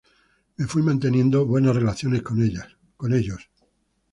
Me fui manteniendo buenas relaciones con ellos.